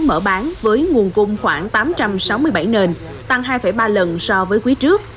mở bán với nguồn cung khoảng tám trăm sáu mươi bảy nền tăng hai ba lần so với quý trước